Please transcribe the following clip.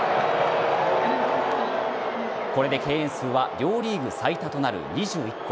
これで敬遠数は両リーグ最多となる２１個。